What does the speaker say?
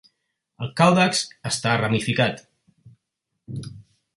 El càudex està ramificat.